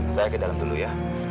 saya ke dalam dulu ya